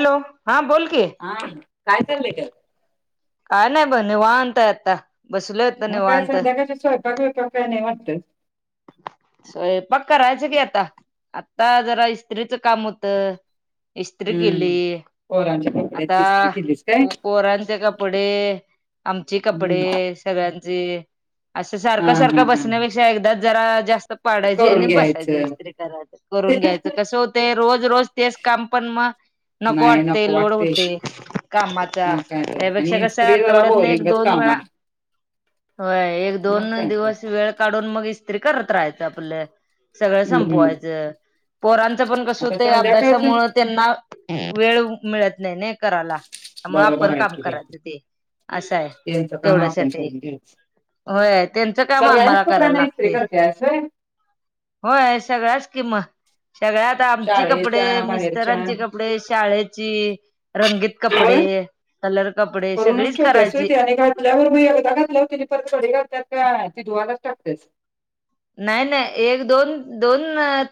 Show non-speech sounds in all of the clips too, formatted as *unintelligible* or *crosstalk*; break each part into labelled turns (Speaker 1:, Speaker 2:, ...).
Speaker 1: Hello, हां बोल की.
Speaker 2: हा काय चाललंय ग?
Speaker 1: काय नाही ब निवांत हाय आता बसलोय. आता
Speaker 2: मग काय
Speaker 1: निवांत
Speaker 2: सांध्याकाळच्या सोयपाक बिपाक काय नाही वाटत?
Speaker 1: सोयपाक करायचं की आता. आता जरा इस्त्रीचं काम होतं. इस्त्री केली,
Speaker 2: हम्म पोरांच्या
Speaker 1: आता
Speaker 2: कपड्याची इस्त्री केलीस काय
Speaker 1: पोरांचे कप डे, आमची
Speaker 2: हम्म
Speaker 1: कपडे सगळ्यांची अस सारख
Speaker 2: हा
Speaker 1: सारख
Speaker 2: हा हा
Speaker 1: बसण्यापेक्षा काय एकदाच जरा जास्त पाडायची आणि
Speaker 2: करून
Speaker 1: बसायच
Speaker 2: घ्यायचं
Speaker 1: इस्त्री करायच. करून घ्यायचं. कसं होतंय रोज रोज तेच काम पण म नको
Speaker 2: नाही
Speaker 1: वाटतय, लोड
Speaker 2: वाटते
Speaker 1: होतय कामाचा.
Speaker 2: मग काय तर आणि
Speaker 1: पेक्षा कस हाय
Speaker 2: इस्त्री जरा
Speaker 1: आठवड्यातन एक
Speaker 2: बोरिंगच
Speaker 1: दोन
Speaker 2: काम
Speaker 1: वेळा
Speaker 2: आहे
Speaker 1: होय एक
Speaker 2: मग
Speaker 1: दोन
Speaker 2: काय तर
Speaker 1: दिवस वेळ काढून मग इस्त्री करत राहायचं आपल. सगळ
Speaker 2: हम्म
Speaker 1: संपवायचं. पोरां च पण कस
Speaker 2: आता
Speaker 1: होतय,
Speaker 2: संध्याकाळचं
Speaker 1: अभ्यासामुळे त्यांना वेळ मिळत नाही ना कराला. म आपण
Speaker 2: बरोबर आहे
Speaker 1: काम
Speaker 2: की बाई
Speaker 1: कराचं ते आस हाय
Speaker 2: त्यांचं काम आपण
Speaker 1: तेवढ्यासाठी
Speaker 2: करून घ्यायचं
Speaker 1: होय त्यांचं काम आम्हाला
Speaker 2: सगळ्याच
Speaker 1: कराय
Speaker 2: कपड्यांना इस्त्री
Speaker 1: लागतय.
Speaker 2: करते असं
Speaker 1: होय सगळ्याच कि म, सगळ्यात आमची कपडे,
Speaker 2: शाळेच्या बाहेरच्या
Speaker 1: मिस्टरांची कप डे, शाळेची रंगीत कपडे कलर कपडे
Speaker 2: करुनच
Speaker 1: सगळीच
Speaker 2: ठेवत्यास व्हय
Speaker 1: करायची.
Speaker 2: ते आणि घाण आल्याबरोबर एकदा घातल्यावर तेनी परत घडी घालत्यास काय ते धुवायलाच टाकत्यास?
Speaker 1: नाही नाही, एक दोन दोन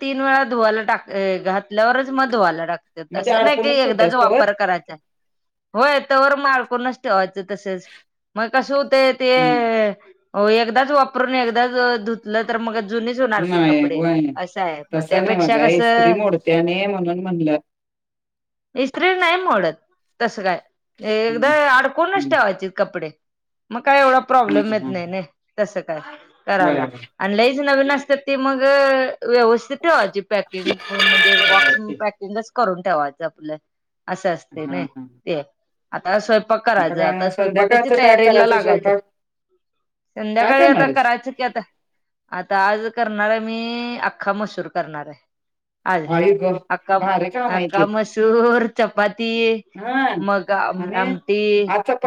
Speaker 1: तीन वेळा धुवायला टाक घातल्यावरच मग धुवायला टाक त्यात
Speaker 2: मग ते
Speaker 1: असं नाही की,
Speaker 2: अडकूनच
Speaker 1: एकदाच
Speaker 2: ठेवत्यास तवर
Speaker 1: वापर करायचा हाय. होय तवर म आडकुणच ठेवायच तसच, मग कसं होतय ते अ? ओ एकदाच वापरून एकदाच अ धुत तर मग जुनीच होणार की
Speaker 2: नाही
Speaker 1: कपडे
Speaker 2: व्हय
Speaker 1: आसं हाय, मग त्यापेक्षा कसं?
Speaker 2: त्या आणि म्हणून म्हणल.
Speaker 1: इस्त्री नाही मोडत तस काय. एकदा
Speaker 2: हम्म
Speaker 1: अडकूनच
Speaker 2: हम्म
Speaker 1: ठेवायचीत कपडे, मग काय एवढा
Speaker 2: हा
Speaker 1: प्रॉब्लेम येत
Speaker 2: हा
Speaker 1: नाहीने. तस काय
Speaker 2: व्हय
Speaker 1: कराला आणि लईच नवीन असत्यात ती मग अ व्यवस्थित ठेवायची पॅकिंग करून म्हणजे बॉक्स
Speaker 2: व्हय
Speaker 1: पॅकिंगच करून ठेवायच आपल. अस असतय
Speaker 2: हा
Speaker 1: नाई
Speaker 2: हा
Speaker 1: ते, आता स्वयं पाक करायचं
Speaker 2: काय मग
Speaker 1: आता, स्वयंपाकाच्या
Speaker 2: संध्याकाळचं काय
Speaker 1: तयारीला
Speaker 2: करायचं
Speaker 1: लागायच.
Speaker 2: स्वयंपाक काय
Speaker 1: संध्याकाळी आता
Speaker 2: करणारेस?
Speaker 1: करायच की आता. आता आज करणारे मी अख्खा मसूर करणारे. अ
Speaker 2: आई ग
Speaker 1: अका
Speaker 2: भारी काम हाय
Speaker 1: अख्खा
Speaker 2: की
Speaker 1: मसूर चपाती.
Speaker 2: हा
Speaker 1: मग आम
Speaker 2: आणि
Speaker 1: आमटी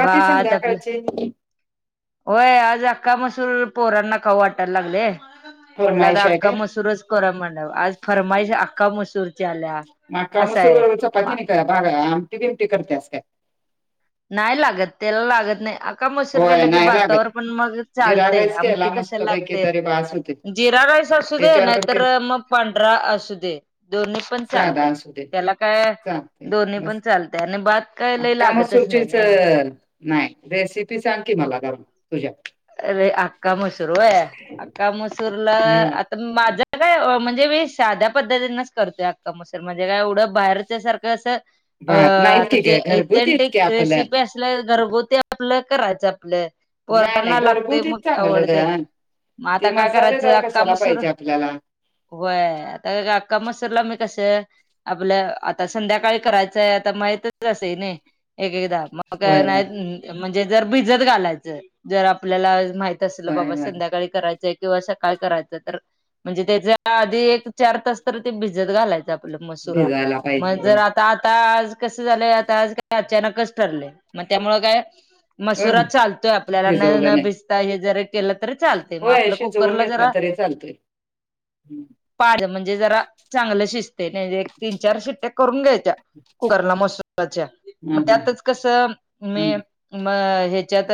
Speaker 1: भात आपलं.
Speaker 2: ते.
Speaker 1: होय आज अख्खा मसूर पोरांना खाऊ वाटायला लागलंय. म्हटलं आता
Speaker 2: फरमाईश हाय
Speaker 1: अख्खा
Speaker 2: काय?
Speaker 1: मसूरच करा म्हन. आज फरमाईश अख्खा मसूर.
Speaker 2: आख्खा मसूर बरोबर चपाती नाही का? बा आमटी बिमटी करते स काय?
Speaker 1: नाय लागत. त्याला लागत नाही. आ आख्खा मसूर
Speaker 2: होय
Speaker 1: केला की
Speaker 2: नाही
Speaker 1: भातावर
Speaker 2: लागत.
Speaker 1: पण मग
Speaker 2: जिरा
Speaker 1: चालतय.
Speaker 2: राईस केला
Speaker 1: आमटी कशा
Speaker 2: मस्तपैकी
Speaker 1: लागतय?
Speaker 2: तरी बास होते.
Speaker 1: जिरा राईस असू दे,
Speaker 2: त्याच्यावर पण
Speaker 1: नाहीतर
Speaker 2: ते
Speaker 1: मग पांढरा असू दे. दोन्ही पण
Speaker 2: साधा
Speaker 1: चालते
Speaker 2: असू दे
Speaker 1: त्याला. काय
Speaker 2: चालतंय
Speaker 1: दोन्ही पण चालतय. आणि भात काय लय लागत
Speaker 2: तुमचीच नाय. रेसिपी सांग की मला तुझ्या
Speaker 1: अरे आख्खा मसूर व्हय? आख्खा मसूरला
Speaker 2: हं
Speaker 1: माझ काय अ म्हणजे मी साध्या पद्धतींच करतोय आख्खा मसुर. म्हणजे काय एवढ बाहेर च्यासारख अस अ
Speaker 2: बर नाहीत
Speaker 1: आता
Speaker 2: की
Speaker 1: ते
Speaker 2: ग घरगुतीच की
Speaker 1: एकझनटेक
Speaker 2: आपलं.
Speaker 1: रेसिप्या अस आपल घरगुती आपल, करायच आपल.
Speaker 2: नाही
Speaker 1: *unintelligible*
Speaker 2: नाही
Speaker 1: ना लागते
Speaker 2: घरगुतीच
Speaker 1: मग
Speaker 2: चांगलं
Speaker 1: आवडते,
Speaker 2: ग.
Speaker 1: मग
Speaker 2: ते
Speaker 1: आता काय करायच
Speaker 2: मसालेदार
Speaker 1: अख्खा
Speaker 2: कशाला
Speaker 1: मसूर
Speaker 2: पाहिजे आपल्याला.
Speaker 1: होय, आता अख्खा मसूरला मी कस आपल आता संध्याकाळी करायचाय. आता माहितच असेनी एक एकदा. मग का
Speaker 2: होय होय
Speaker 1: नाही म्हणजे जर भिजत घालायच. जर आपल्याला माहि त असल
Speaker 2: होय
Speaker 1: बाबा
Speaker 2: होय
Speaker 1: संध्याकाळी कराय चय किंवा सकाळ करायचं. तर म्हणजे त्याच्या आधी एक चार तास तरी ते भिजत घालायच. आपल मसुरा
Speaker 2: भिजायला पाहिजे
Speaker 1: मग
Speaker 2: होय.
Speaker 1: जरा आता आता आज कस झालय. आता आज काय अचानकच ठरलय. मग त्यामुळ काय
Speaker 2: होय
Speaker 1: मसुरा चालतोय आपल्याला. न
Speaker 2: भिजवलं
Speaker 1: न
Speaker 2: नाही.
Speaker 1: भिसता हे जर केल तरी चालते. मग
Speaker 2: होय
Speaker 1: आपल
Speaker 2: शिजवून
Speaker 1: कुकरला
Speaker 2: घेतला
Speaker 1: जरा
Speaker 2: तरी *unintelligible*
Speaker 1: पाड. म्हणजे जरा चांगल शिजतेय. नाहीे एक तीन चार शिट्ट्या करून घ्यायच्या. कुकरला मसुरच्या. मग
Speaker 2: हं हं
Speaker 1: त्यातच कस
Speaker 2: हं
Speaker 1: मी म ह्याच्यात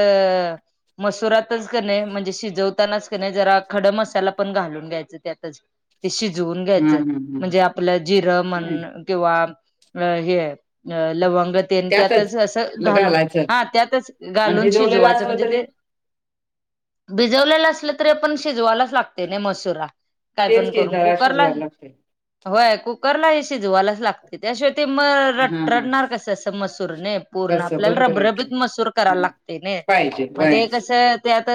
Speaker 1: मसुरातच कनी, म्हणजे शिजवतानाच कनी, जरा खड मसाला पण घालून घ्यायच त्यातच. ते शिजवून घ्यायच.
Speaker 2: हं हं
Speaker 1: म्हणजे आपल जिर‌
Speaker 2: हं.
Speaker 1: म्हण किवा हे लवग ते त्यातच अस
Speaker 2: ल-
Speaker 1: घालून,
Speaker 2: घालायचं
Speaker 1: हा त्यातच
Speaker 2: आणि
Speaker 1: घालून
Speaker 2: भिजवलेलं
Speaker 1: शिजवायच.
Speaker 2: असलं
Speaker 1: म्हणजे
Speaker 2: तरी
Speaker 1: भिजवलेल असल तरी आपण शिजवायलाच लागते नाही मसुरा. काय
Speaker 2: तेच
Speaker 1: पण
Speaker 2: की
Speaker 1: करून.
Speaker 2: जरा
Speaker 1: कुकरला.
Speaker 2: शिजवायला लागते
Speaker 1: होय कुकरला हे शिजवायलाच लाग त्याशिवाय ते म
Speaker 2: हा
Speaker 1: रट
Speaker 2: हा
Speaker 1: रडणार कस अस मसूर ना पूर्ण.
Speaker 2: कसं
Speaker 1: आपल्याला
Speaker 2: बरोबर आहे की
Speaker 1: रबरबीत मसूर करायला
Speaker 2: हं.
Speaker 1: लाग तने.
Speaker 2: पाहिजे वय
Speaker 1: त्यात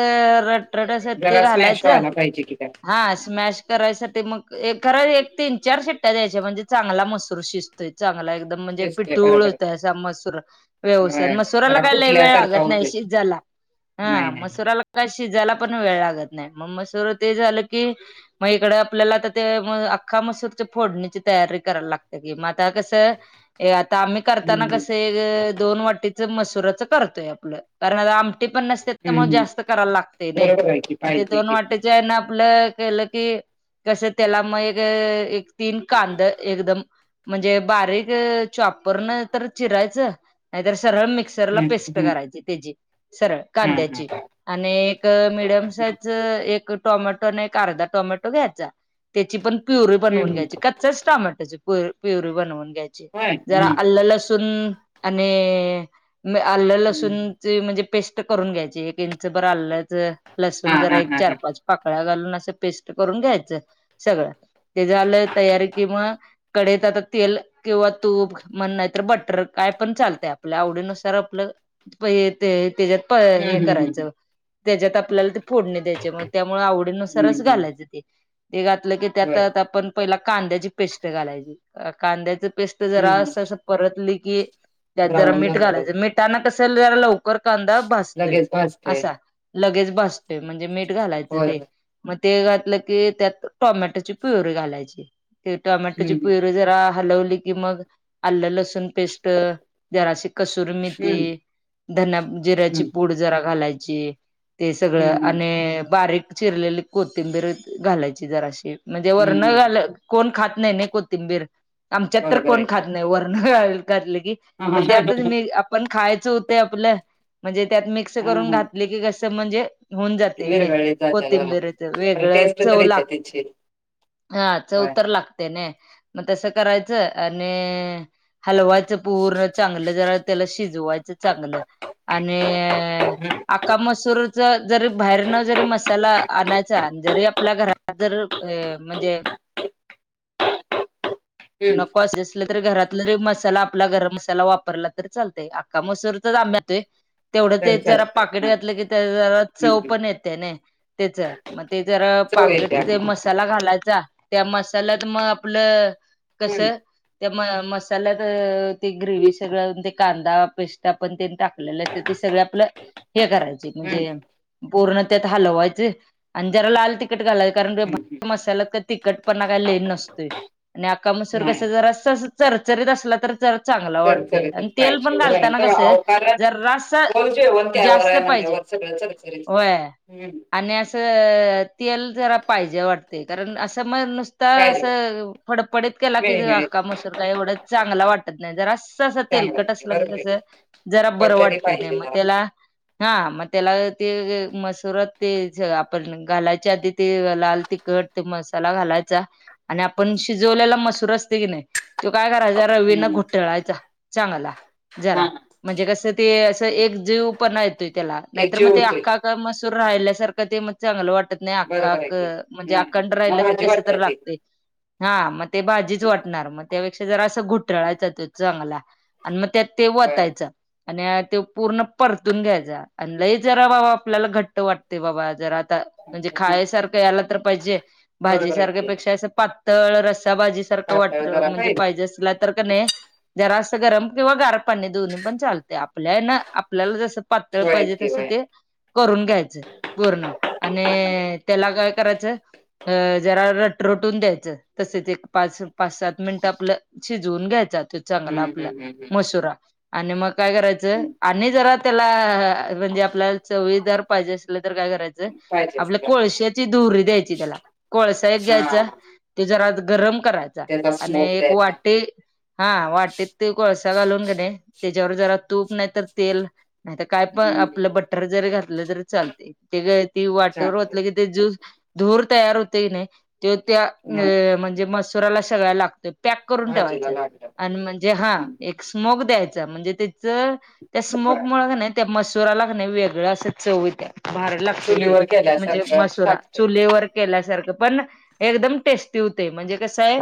Speaker 1: रटरट अस ते
Speaker 2: जरा स्मॅश
Speaker 1: घालायच.
Speaker 2: व्हायला पाहिजे की काय
Speaker 1: हा स्मश करायसाठी मग, खर एक तीन चार शिट्ट्या द्यायच्या. म्हणजे चांगला मसूर शिज तोय चांगला एकदम. म्हणजे
Speaker 2: तेच ते
Speaker 1: पिठूळ
Speaker 2: बरोबर
Speaker 1: होत असा मसूर.
Speaker 2: आहे.
Speaker 1: व्यवसा.
Speaker 2: वय
Speaker 1: मसुराला
Speaker 2: जरा
Speaker 1: काय लय वेळ
Speaker 2: फुटल्यासारखा
Speaker 1: लागत नाही
Speaker 2: होतोय
Speaker 1: शिजाला.
Speaker 2: नाही
Speaker 1: हा
Speaker 2: नाही
Speaker 1: मसुराला काय शिजायला पण वेळ लागत नाही. मग मसूर ते झालं की, मग इकडं आपल्याला आता ते अख्खा मसूरची फोडणीची तयारी करायला लागते की, मग आता कसं आता आम्ही करताना
Speaker 2: हं, हं.
Speaker 1: कसं एक दोन वाटीचं मसुराचं करतोय आपलं, कारण आता आम हे पण नसते त्यामुळे
Speaker 2: हं, हं.
Speaker 1: जास्त करायला लागते नाय,
Speaker 2: बरोबर आहे की
Speaker 1: मग ते
Speaker 2: पाहिजे
Speaker 1: दोन
Speaker 2: की
Speaker 1: वाट त्यानं आपलं केलं की तसं त्याला मग एक तीन कांदा एकदम म्हणजे बारीक चॉपरन तर चिरायचं, नाहीतर सरळ मिक्स सरला
Speaker 2: हं,
Speaker 1: पेस्ट
Speaker 2: हं.
Speaker 1: करायची त्याची सरळ
Speaker 2: हा हा
Speaker 1: कांद्याची. आणि एक मिडियम साईज एक टोमॅटो आणि एक अर्धा टोमॅटो घ्यायचा. त्याची पण प्युरी
Speaker 2: हं,
Speaker 1: बनवून
Speaker 2: हं.
Speaker 1: घ्यायची, कच्चाच टमॅटोची प्युरी बनवून घ्यायची.
Speaker 2: होय
Speaker 1: जरा
Speaker 2: हा हा
Speaker 1: अल्ल लसून आणि अल्ल
Speaker 2: हं,
Speaker 1: लसूण
Speaker 2: हं.
Speaker 1: म्हणजे... पेस्ट करून घ्यायची एक इंच बर आलंच
Speaker 2: हा
Speaker 1: लसूण जरा
Speaker 2: हा
Speaker 1: एक
Speaker 2: हा हा
Speaker 1: चार पाच, पाकळ्या घालून असं पेस्ट करून घ्यायचं सगळं ते झा झालं तयारी किंमग कडईत आता तेल किंवा तूप म्हण नाहीत तर बट्टर काय पण चालत आपल्या आवडीनुसार आपलं प ते त्याच्यात हे
Speaker 2: हं, हं, हं,
Speaker 1: करायच,
Speaker 2: हं.
Speaker 1: त्याच्यात आपल्याला फोडणे द्यायचे त्यामुळे आवड आवडीनुसार
Speaker 2: हं, हं.
Speaker 1: घालायच ते, ते घातल त्या
Speaker 2: होय
Speaker 1: आप पहिला कांद्याची पेस्ट घालायची, कांद्याची पेस्ट जरा
Speaker 2: हं, हं.
Speaker 1: अस परतली की त्यात जरा
Speaker 2: ब्राऊन
Speaker 1: मीठ
Speaker 2: झालं
Speaker 1: घालायचं मिठाना कस जरा लवकर कांदा भासतोय
Speaker 2: लगेच भाजतंय
Speaker 1: असा. लगेच भासतोय म्हणजे मीठ घालायचं
Speaker 2: होय
Speaker 1: ते.
Speaker 2: होय
Speaker 1: मग ते घातलं की त्यात टोमॅटोची पिवरी घालायची, टमॅटोची
Speaker 2: हं, हं.
Speaker 1: पिवरी जरा हलवली की मग आलं लसूण पेस्ट जराशी कसुरी
Speaker 2: हं,
Speaker 1: मेथी, धन जिऱ्याची
Speaker 2: हं.
Speaker 1: पूड जरा घालायची. ते
Speaker 2: हं,
Speaker 1: सगळं
Speaker 2: हं.
Speaker 1: आणि बारीक चिरलेली कोथिंबीर घालायची जरा अशी. म्हणजे वर
Speaker 2: हं, हं, हं.
Speaker 1: घाल, कोण खात नाही नाही कोथिंबीर. आमच्यात तर
Speaker 2: बरोबर
Speaker 1: कोण
Speaker 2: आहे की.
Speaker 1: खात नाही वरण घातले की
Speaker 2: हां,
Speaker 1: मग त्यातच
Speaker 2: हां.
Speaker 1: मी पण खायच होते आपलं, म्हणजे त्यात मिक्स
Speaker 2: हां,
Speaker 1: करून
Speaker 2: हां.
Speaker 1: घातले की कस म्हणजे होऊन जाते न
Speaker 2: विरघळली जाते बरोबर.
Speaker 1: कोथिंबीरच
Speaker 2: पण
Speaker 1: वेगळं
Speaker 2: टेस्ट तर
Speaker 1: चव लाग
Speaker 2: येते त्याची.
Speaker 1: हा चव
Speaker 2: होय.
Speaker 1: तर लागते ना मग तसं करायचं आणि हलवायचं पूर्ण चांगलं जरा त्याला शिजवायचं चांगलं आणि आ,
Speaker 2: हं,
Speaker 1: आका मसूर ज-जरी बाहेरन जरी मसाला आणायचा जरी आपल्या घरात जर म्हणजे
Speaker 2: हं.
Speaker 1: नको असे तरी घरातला जरी मसाला आपला गर मसाला वापरला तरी चालतोय आका मसूर तरच *unintelligible* आ्यातोय तेवढं ते
Speaker 2: तर
Speaker 1: जरा
Speaker 2: चालते.
Speaker 1: पाकिट
Speaker 2: हं,
Speaker 1: घातलं की जरा
Speaker 2: हं,
Speaker 1: चव
Speaker 2: हं.
Speaker 1: पण येते नाही. त्याच मग ते जरा
Speaker 2: चव येते.
Speaker 1: पाकिट मसाला घालायचा त्या मसाल्यात मग आपलं कस
Speaker 2: हं,
Speaker 1: त्या म- मसाल्यात ते ग्रेवी सगळ ते कांदा पेस्ट पण तेनी टाकलेला. तर ते सगळ आपलं हे करायचे
Speaker 2: हं,
Speaker 1: म्हणजे पूर्ण त्यात हलवायचं आणि जरा लाल तिकट घालायचं
Speaker 2: हं, हं.
Speaker 1: कारण मसाला तिकट पण काय लय नसतोय आणि आका मसूर कस
Speaker 2: नाही
Speaker 1: जर स असं चरचरीत असला तर जरा चांगला वाटतोय
Speaker 2: चरचरीत
Speaker 1: आणि तेल
Speaker 2: पाहिज
Speaker 1: पण
Speaker 2: वजेण
Speaker 1: घालताना
Speaker 2: त्या
Speaker 1: कसं
Speaker 2: *unintelligible*
Speaker 1: जरासं
Speaker 2: व
Speaker 1: जास्त पाहिजे
Speaker 2: म्हणजे सगळे चरचरीत,
Speaker 1: होय
Speaker 2: हम्म.
Speaker 1: आणि असं तेल जरा पाहिजे वाटते कारण असं मग नुस नुसत
Speaker 2: पाहिजे.
Speaker 1: असं फडफडीत केला कि
Speaker 2: मिळीमिळीत
Speaker 1: आक्का मसूर काय एवढं चांगला वाटत नाही जर अस
Speaker 2: चांगलं
Speaker 1: तेलकट अस
Speaker 2: वाटते.
Speaker 1: क
Speaker 2: बरोबर आहे.
Speaker 1: कस जरा
Speaker 2: पण
Speaker 1: बरं
Speaker 2: तरी
Speaker 1: वाटत नाही
Speaker 2: पाहिजे
Speaker 1: मग
Speaker 2: जरा.
Speaker 1: त्याला हा मग त्याला ते मसुरात ते आपण घालायच्या आधी ते लाल तिखट ते मसाला घालायचा आणि आपण शिजवलेला मसूर असते की नाय? त्यो काय करायचा
Speaker 2: हं,
Speaker 1: रवीनं
Speaker 2: हं.
Speaker 1: घुटळायचा चांगला जरा
Speaker 2: हां, हां.
Speaker 1: म्हणजे कस ते अस
Speaker 2: हं.
Speaker 1: एक जीव पणा येतोय त्याला
Speaker 2: एक
Speaker 1: नाहीतर म
Speaker 2: जीव
Speaker 1: ते
Speaker 2: होतोय.
Speaker 1: अख्खा *unintelligible* मसूर राहिल्यासारखं ते म चांगलं वाटत नाही आक्कं
Speaker 2: बरोबर आहे की.
Speaker 1: आक्कं म्हणजे
Speaker 2: नाही, नाही.
Speaker 1: आकांड राहिलं
Speaker 2: मग भाजी
Speaker 1: कस तर
Speaker 2: वाटते ती.
Speaker 1: लागतंय हा मग ते भाजीच वाटणार मग त्यापेक्षा जरा असं घुटळायचा त्यो चांगला आणि म त्यात
Speaker 2: होय.
Speaker 1: वतायचा आणि तो पूर्ण परतून घ्यायचा. आणि लय जरा बाबा आपल्याला घट्ट वाटतय, बाबा जरा आता म्हणजे
Speaker 2: हां.
Speaker 1: खायसारखं याला तर पाहिजे
Speaker 2: बरोबर आहे
Speaker 1: भाजीसारखा
Speaker 2: की
Speaker 1: पेक्षा असं पातळ रस त्या भाजी सारखं
Speaker 2: पातळ
Speaker 1: वाटतं
Speaker 2: जरा
Speaker 1: म्हणजे पाहिजे असला तर कनाय जरास गरम किंवा गार पाणी दोनी पण चालते आपल्या ना आपल्याला जस पातळ पाहिजे
Speaker 2: वयच की
Speaker 1: तस
Speaker 2: वय
Speaker 1: ते करून घ्यायचय. पूर्ण आणि त्याला काय करायचं अ जरा रट रटून द्यायचं तसेच एक पाच पाच सात मिनिट आपलं शिजवून घ्यायच तो चांगलं
Speaker 2: हम्म
Speaker 1: आपलं
Speaker 2: हम्म हम्म
Speaker 1: मसुरा आणि मग काय करायचं
Speaker 2: हम्म
Speaker 1: आणि जरा त्याला म्हणजे आपल्याला चवळीदार पहिजे असलं तर काय करायचं?
Speaker 2: पाहिजे
Speaker 1: आपल्या
Speaker 2: असला
Speaker 1: कोळश्याची धुरी द्यायची, त्याला कोळसा एक घ्यायचा
Speaker 2: हा
Speaker 1: ते जरा गरम करायचा
Speaker 2: त्याचा
Speaker 1: आणि
Speaker 2: स्मोक
Speaker 1: एक
Speaker 2: द्यायचा
Speaker 1: वाटी हा वाटीत ते कोळसा घालून कीनई त्याच्यावर जरा तूप नाही तर तेल नाही तर काय पण
Speaker 2: हम्म हम्म.
Speaker 1: आपलं बटर जरी घातलं तरी चालतंय ते ती वाटेवर
Speaker 2: चालतंय
Speaker 1: वोतलं की ते जो धोर तयार होतय की नायी तो त्या अ
Speaker 2: होय
Speaker 1: म्हणजे मसुराला सगळ्या लागतोय पॅक करून
Speaker 2: भाजीला
Speaker 1: ठेवायचं
Speaker 2: लागलं
Speaker 1: आणि
Speaker 2: पाहिजे
Speaker 1: म्हणजे हा
Speaker 2: हम्म
Speaker 1: एक स्मोग द्यायचा म्हणजे तेच त्या स्मोग
Speaker 2: होय
Speaker 1: मुळ कनाई त्या मश मसुराला किनाइ वेगळ असं चवत येत्या भारी लागतय ते
Speaker 2: चुलीवर
Speaker 1: म्हणजे
Speaker 2: केल्यासारखं
Speaker 1: मसुरा
Speaker 2: लागतंय
Speaker 1: चुलीवर केल्यासारखं पण एकदम टेस्टी होतय म्हणजे कसंय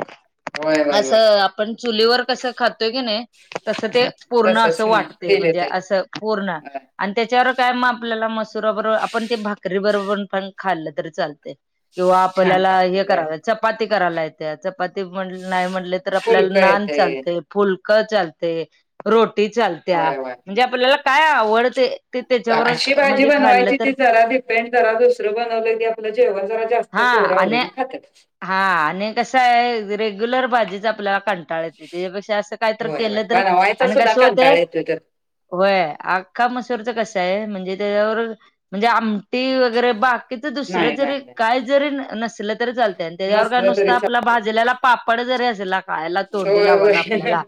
Speaker 2: होय होय होय
Speaker 1: असं आपण चुलीवर कसं खातोय की नायी? तसं ते पूर्ण
Speaker 2: तसच
Speaker 1: असं वाटतय
Speaker 2: फील
Speaker 1: म्हणजे
Speaker 2: येतंय
Speaker 1: असं पूर्ण
Speaker 2: होय
Speaker 1: आणि त्याच्यावर काय मग आपल्याला मसुरा बरोबर आपण ते भाकरी बरोबर पण खाल्लं तरी चालतय किंवा
Speaker 2: छान
Speaker 1: आपल्याला
Speaker 2: लागतंय
Speaker 1: हे
Speaker 2: होय
Speaker 1: कराय चपाती करायला येत्या चपाती म्हटल नाय म्हटल तर आपल्याला
Speaker 2: फुलकं
Speaker 1: नान
Speaker 2: येतंय
Speaker 1: चालतंय, फुलकं चालतंय रोटी, चाल त्या
Speaker 2: होय होय
Speaker 1: म्हणजे आपल्याला काय आवडते ते त्याच्याबरोबर म्हणजे खाल्लं तर
Speaker 2: प जरा दुसरं बनवलं की आपलं जेवण जरा जास्त
Speaker 1: हा
Speaker 2: पोरं
Speaker 1: आणि
Speaker 2: आवडीनं खात्यात
Speaker 1: हा आणि कसाय रेग्युलर भाजीच आपल्याला कंटाळा येतो त्याच्यापेक्षा असं काय तर
Speaker 2: होय होय
Speaker 1: केलं तर
Speaker 2: बनवायचा
Speaker 1: आणि
Speaker 2: सुद्धा
Speaker 1: कसं
Speaker 2: कंटाळ
Speaker 1: होतयं
Speaker 2: येतोय तर
Speaker 1: व्हय आख्खा मसूरच कसंय म्हणजे त्याच्याबरोबर म्हणजे आमटी वगैरे भात एक तर दुसरं
Speaker 2: नाही
Speaker 1: जरी
Speaker 2: नाही नाही
Speaker 1: काय जरी नसलं तरी चालतय आणि त्याच्यावर
Speaker 2: नसलं
Speaker 1: नुसत
Speaker 2: तरी
Speaker 1: आपलं
Speaker 2: चालतंय
Speaker 1: भाजल्याला पापड जरी असला खायला तोंडी
Speaker 2: होय
Speaker 1: लावाला
Speaker 2: होय
Speaker 1: आपल्याला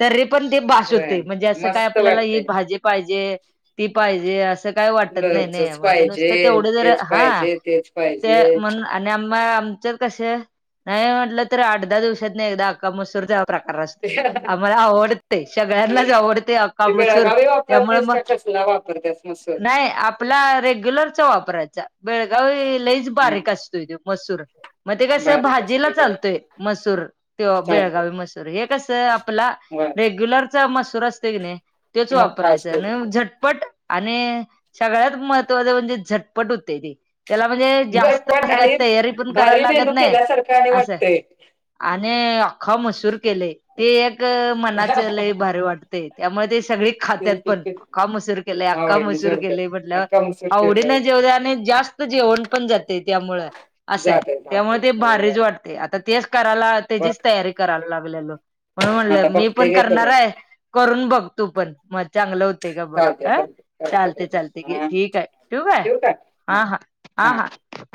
Speaker 1: तरी पण ते बास
Speaker 2: होय
Speaker 1: होतय म्हणजे असं काय
Speaker 2: मस्त
Speaker 1: आपल्याला ही
Speaker 2: वाटतंय
Speaker 1: भाजी पाहिजे ती पाहिजे असं असं काय वाटत नाय ने
Speaker 2: लोणचंच
Speaker 1: म्हणजे
Speaker 2: पाहिजे
Speaker 1: नुसतं तेवढं जर
Speaker 2: तेच
Speaker 1: हा
Speaker 2: पाहिजे तेच
Speaker 1: ते
Speaker 2: पाहिजे
Speaker 1: म्हण आणि आम् आमच्यात कसं नाही म्हटलं तर आठ दहा दिवसात नाही एकदा अख्खा मसूर चा प्रकार असतो आम्हाला आवडतय सगळ्यांनाच आवडतय अख्खा
Speaker 2: ते
Speaker 1: मसूर
Speaker 2: बेळगावी
Speaker 1: त्यामुळ
Speaker 2: वापरतेस
Speaker 1: म
Speaker 2: का कसला वापरतेस मसूर
Speaker 1: नाही आपला रेग्युलरचा वापरायचा बेळगावी लयच
Speaker 2: हा
Speaker 1: बारीक असतूय तो मसूर मग ते कसं
Speaker 2: बारीक
Speaker 1: भाजीला
Speaker 2: असते होय
Speaker 1: चालतोय मसूर ते
Speaker 2: चालतंय
Speaker 1: बेळगावी मसूर, हे कस आपला
Speaker 2: होय
Speaker 1: रेग्युलर- चा मसूर असतोय की नाही, त्योच
Speaker 2: मोठा
Speaker 1: वापरायच
Speaker 2: असतो
Speaker 1: नाय झटपट- आणि सगळ्यात महत्वाचं म्हणजे झटपट होतय ते. त्याला म्हणजे, जास्त
Speaker 2: झटपट
Speaker 1: अस काय
Speaker 2: आणि
Speaker 1: तयारी पण-
Speaker 2: भारी
Speaker 1: करायला लागत
Speaker 2: मेनू
Speaker 1: नाही
Speaker 2: केल्यासारखा आणि
Speaker 1: असं
Speaker 2: वाटतय.
Speaker 1: आणि- आख्खा मसूर केलेय, ते एक मनाच लय भारी वाटतय, त्यामुळे ते सगळी खात्यात
Speaker 2: तेच
Speaker 1: पण.
Speaker 2: की
Speaker 1: आख्खा मसूर केलाय, आख्खा
Speaker 2: आवडीने
Speaker 1: मसूर केलय,
Speaker 2: जेवतात
Speaker 1: म्हटल्यावर
Speaker 2: कमसूर
Speaker 1: आवडीन
Speaker 2: केलंय
Speaker 1: जेव आणि जास्त- जेवण पण जातय, त्यामुळ असं आहे.
Speaker 2: जातंय
Speaker 1: त्यामुळे
Speaker 2: जातंय
Speaker 1: ते
Speaker 2: होय
Speaker 1: भारीच वाटते, आता तेच करायला
Speaker 2: बघ
Speaker 1: त्याचीच तयारी करायला लागलोय बघ. म्हणून
Speaker 2: आता
Speaker 1: म्हणलं, मी
Speaker 2: बघते
Speaker 1: पण
Speaker 2: घे
Speaker 1: करणार
Speaker 2: करून
Speaker 1: आहे, करून बघ तू पण मग चांगलं हो- तय का बघ.
Speaker 2: चालतंय चालतंय चालतंय
Speaker 1: चालते, चालते,
Speaker 2: चालतंय
Speaker 1: घे
Speaker 2: हा
Speaker 1: ठीक आहे, ठेवू काय? हा, हा, हा, हा.